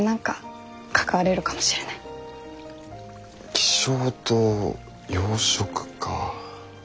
気象と養殖か。